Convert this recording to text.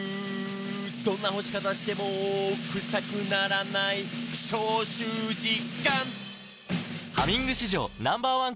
「どんな干し方してもクサくならない」「消臭実感！」